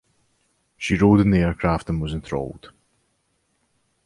She rode in the aircraft and was enthralled.